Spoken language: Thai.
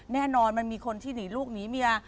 แน่นอนมันมีคนที่หนีลูกหนีเมีย